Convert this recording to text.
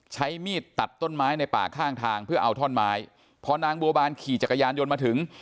ใช้มีดตัดต้นไม้ในป่าข้างทางเพื่อเอาท่อนไม้พอนางบัวบานขี่จักรยานยนต์มาถึง